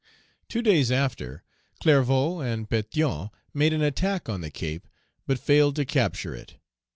Two days after, Clervaux and Pétion made an attack on the Cape, but failed to capture it.